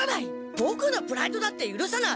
ボクのプライドだってゆるさない。